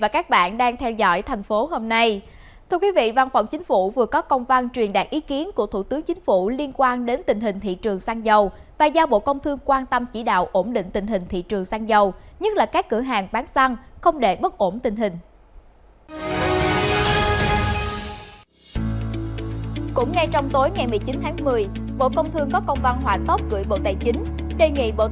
các bạn hãy đăng ký kênh để ủng hộ kênh của chúng mình nhé